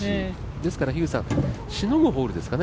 ですから、しのぐホールですかね